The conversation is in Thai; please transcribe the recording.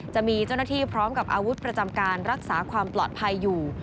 จะมีเจ้าหน้าที่พร้อมกับอาวุธประจำการรักษาความปลอดภัยอยู่